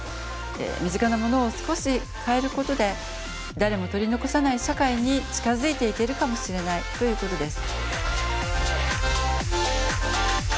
身近なものを少し変えることで誰も取り残さない社会に近づいていけるかもしれないということです。